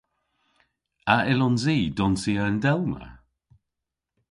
A yllons i donsya yndelna?